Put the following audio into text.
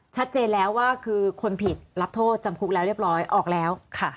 ชัดเจนแล้วว่าคือคนผิดรับโทษจำคุกแล้วเรียบร้อยออกแล้วค่ะ